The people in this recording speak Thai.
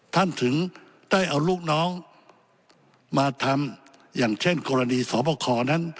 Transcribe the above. ถึงได้เอาลูกน้องมาทำอย่างเช่นกรณีสอบคอนั้น